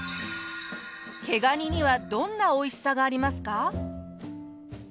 毛ガニにはどんなおいしさがありますか？